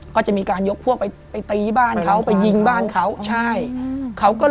ก็จะมีการยกพวกไปตีบ้านเขาไปยิงบ้านเขา